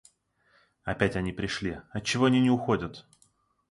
Опять они пришли, отчего они не уходят?..